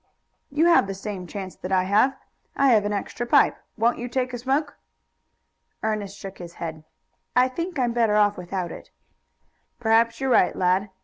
"You have the same chance that I have. I have an extra pipe. Won't you take a smoke?" Ernest shook his head. "I think I'm better off without it." "Perhaps you're right, lad.